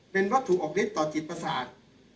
เป็นวัตถุออกฤทธิต่อจิตประสาท